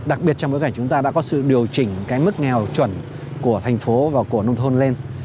đặc biệt trong bối cảnh chúng ta đã có sự điều chỉnh cái mức nghèo chuẩn của thành phố và của nông thôn lên